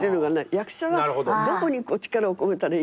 役者はどこに力を込めたらいいのか。